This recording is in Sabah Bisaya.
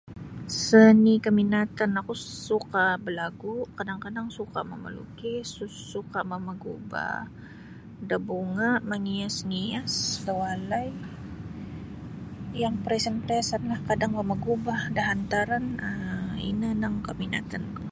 Seni keminatan oku suka balagu kadang-kadang suka mamalukis suka mamagubah da bunga mangias-ias da walai yang pariasan-pariasanlah kadang mamagubah da hantaran ino mimang keminatanku